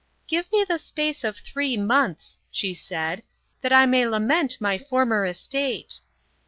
"Give me the space of three months," she said, " that I may lament my former estate."